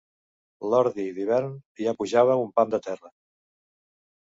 L'ordi d'hivern ja pujava un pam de terra